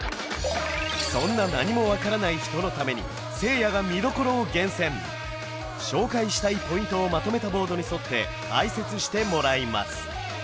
そんな何も分からない人のためにせいやが見どころを厳選紹介したいポイントをまとめたボードに沿って解説してもらいます